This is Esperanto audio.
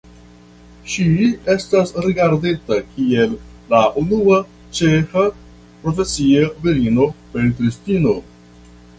Ŝi estas rigardita kiel la unua ĉeĥa profesia virino pentristino.